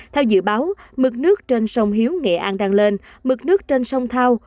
theo dự báo mực nước trên sông hiếu nghệ an đang lên mực nước trên sông thao